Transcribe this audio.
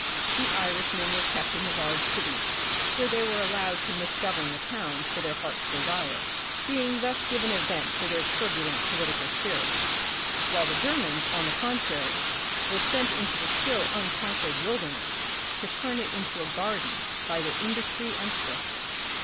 The Irishmen were kept in the large cities, where they were allowed to mis govern the towns to their hearts' desire, being thus given a vent for their turbulent political spirit ; while the Germans, on the contrary, were sent into the still unconquered wilderness The Republic of the Future. 53 to turn it into a garden by their industry and thrift.